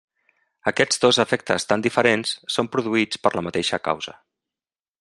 Aquests dos efectes tan diferents són produïts per la mateixa causa.